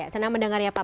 senang mendengar ya pak